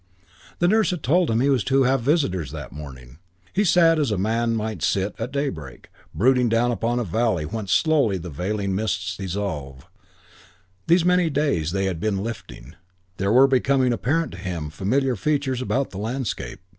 The nurse had told him he was to have visitors that morning. He sat as a man might sit at daybreak, brooding down upon a valley whence slowly the veiling mists dissolved. These many days they had been lifting; there were becoming apparent to him familiar features about the landscape.